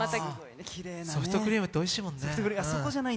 ソフトクリームっておいしいもんね。